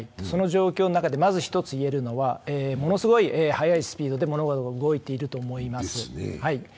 この状況の中でまず１つ言えるのは、ものすごい早いスピードで物事が動いていると思います。